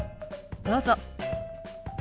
どうぞ。